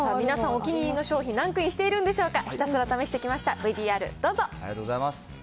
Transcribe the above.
皆さん、お気に入りの商品、ランクインしてるんでしょうか、ひたすら試してきました、ＶＴＲどうぞ。